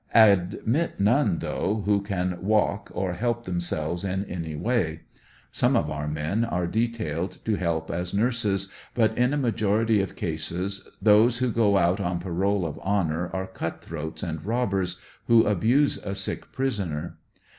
Admit none though who can walk or help themselves in any way Some of our men are de tailed to help as nurses, but in a majority of cases those who go out on parole of honor are cut throats and robbers, who abuse a sick prisoner.